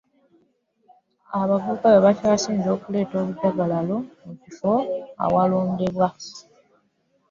Abavubuka be bakyasinze okuleeta obujjagalalo mu bifo awalondebwa.